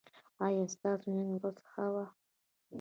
ایا ستاسو نن ورځ ښه وه؟